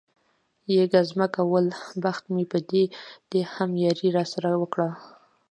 یې ګزمه کول، بخت مې په دې هم یاري را سره وکړل.